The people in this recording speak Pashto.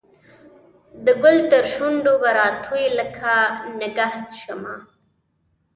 د ګل ترشو نډو به راتوی لکه نګهت شمه